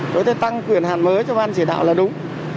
chúng ta tăng quyền hạn mới cho ban chỉ đạo là đúng